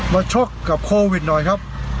ชกกับโควิดหน่อยครับ